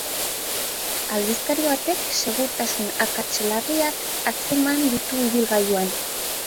Aldizkari batek segurtasun akats larriak atzeman ditu ibilgailuan.